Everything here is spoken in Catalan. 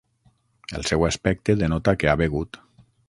El seu aspecte denota que ha begut.